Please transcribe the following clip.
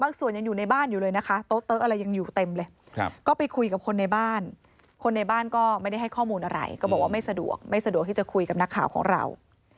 คนในบ้านก็ไม่ได้ให้ข้อมูลอะไรก็บอกว่าไม่สะดวกไม่สะดวกที่จะคุยกับนักข่าวของเรา